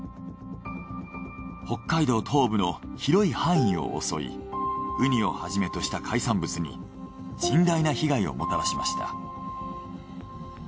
北海道東部の広い範囲を襲いウニをはじめとした海産物に甚大な被害をもたらしました。